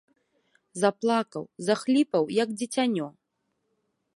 Заплакаў, захліпаў, як дзіцянё.